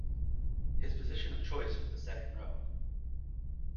His position of choice was the second row.